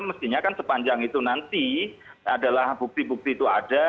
mestinya kan sepanjang itu nanti adalah bukti bukti itu ada